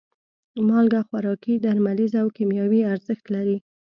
مالګه خوراکي، درملیز او کیمیاوي ارزښت لري.